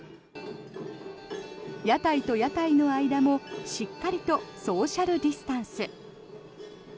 屋台と屋台の間もしっかりとソーシャル・ディスタンス。